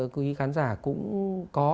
quý khán giả cũng có